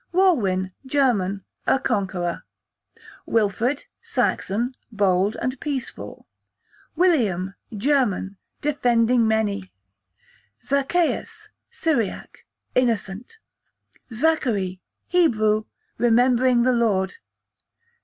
Walwin, German, a conqueror. Wilfred, Saxon, bold and peaceful. William, German, defending many. Zaccheus, Syriac, innocent. Zachary, Hebrew, remembering the Lord.